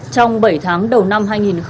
trong bảy tháng đầu năm hai nghìn hai mươi